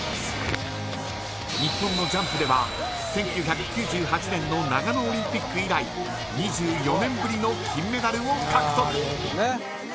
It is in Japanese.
日本のジャンプでは１９９８年の長野オリンピック以来２４年ぶりの金メダルを獲得。